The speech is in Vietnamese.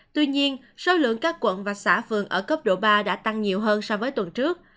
tuy nhiên số lượng các quận và xã phường ở cấp độ ba đã tăng nhiều hơn so với tuần trước